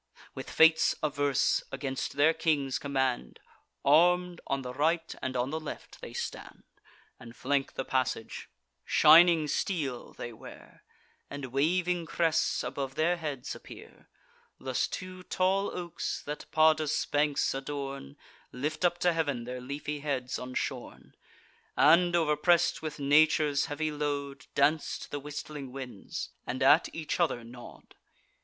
With fates averse, against their king's command, Arm'd, on the right and on the left they stand, And flank the passage: shining steel they wear, And waving crests above their heads appear. Thus two tall oaks, that Padus' banks adorn, Lift up to heav'n their leafy heads unshorn, And, overpress'd with nature's heavy load, Dance to the whistling winds, and at each other nod.